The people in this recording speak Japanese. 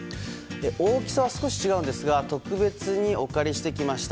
大きさは少し違うんですが特別にお借りしてきました。